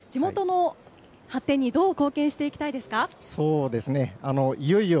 地元の発展にどう貢献していきたいよいよ